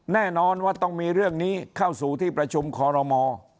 แน่นอนว่าต้องมีเรื่องนี้เข้าสู่ที่ประชุมคอรมอ